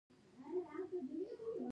مثمریت د مدیریت بل مهم عنصر ګڼل کیږي.